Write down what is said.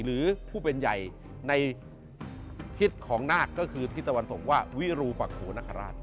หรือผู้เป็นใหญ่ในฤทธิ์ของนาคก็คือทฤทธาวนต์ส่งว่าฬิรูปรักฏของแห